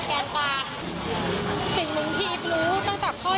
พ่อจะมีพลังของทุกคนที่ส่งมาพลังของครอบครัวและตลาดเป็นแกนการ